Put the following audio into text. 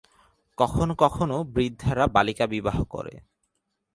কখনও কখনও বৃদ্ধেরা বালিকা বিবাহ করে।